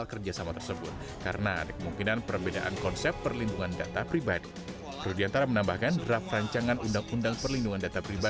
kita akan melalui mitra beliau kan mitra